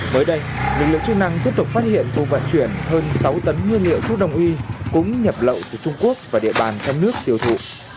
mới đây lực lượng chức năng tiếp tục phát hiện vụ vận chuyển hơn sáu tấn nguyên liệu thuốc đồng y cũng nhập lậu từ trung quốc và địa bàn trong nước tiêu thụ